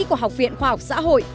của học viện khoa học xã hội